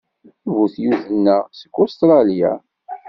Ibutyuten-a seg Ustṛalya.